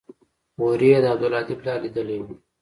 هورې يې د عبدالهادي پلار ليدلى و.